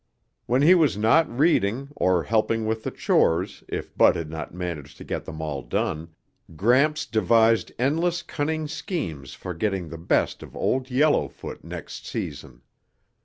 When he was not reading or helping with the chores if Bud had not managed to get them all done, Gramps devised endless cunning schemes for getting the best of Old Yellowfoot next season.